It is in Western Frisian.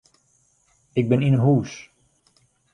Ik bin yn 'e hûs.